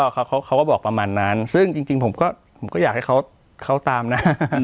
เขาก็บอกประมาณนั้นซึ่งจริงผมก็อยากให้เขาตามนะ